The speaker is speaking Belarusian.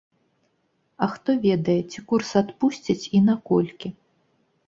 А хто ведае, ці курс адпусцяць і наколькі?